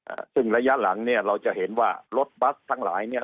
อ่าซึ่งระยะหลังเนี้ยเราจะเห็นว่ารถบัสทั้งหลายเนี้ย